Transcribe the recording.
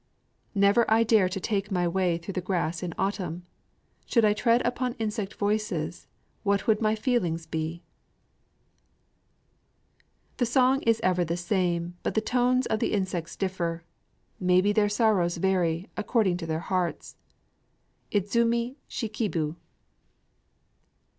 Never I dare to take my way through the grass in autumn: Should I tread upon insect voices what would my feelings be! The song is ever the same, but the tones of the insects differ, Maybe their sorrows vary, according to their hearts. IDZUMI SHIKIBU.